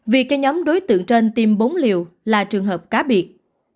việc cho nhóm đối tượng trên tìm bốn liều là trường hợp cá biệt